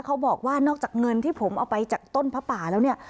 เขาบอกว่านอกจากเงินที่ผมเอาไปจากต้นพระป่าแล้วเนี่ย